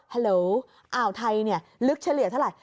ฮัลโหลอ่าวไทยเนี่ยลึกเฉลี่ยเท่าไหร่